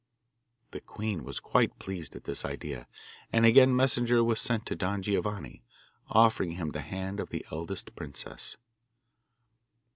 The queen was quite pleased at this idea, and again messenger was sent to Don Giovanni, offering him the hand of the eldest princess.